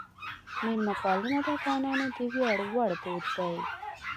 میلمهپالنه د افغانانو د ویاړ وړ دود دی.